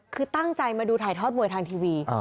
คือตั้งใจมาดูถ่ายทอดมวยทางทีวี